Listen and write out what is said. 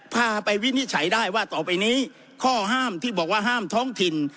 พาไปวินิจฉัยได้ว่าต่อไปนี้ข้อห้ามที่บอกว่าห้ามท้องถิ่น